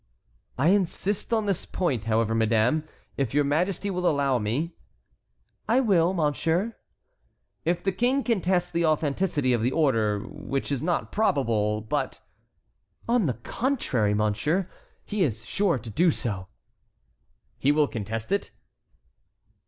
"I insist on this point, however, madame, if your majesty will allow me." "I will, monsieur." "If the king contests the authenticity of the order, which is not probable, but"— "On the contrary, monsieur, he is sure to do so." "He will contest it?"